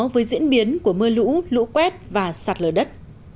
với diễn biến của mưa lũ lũ quét và sạt lở đất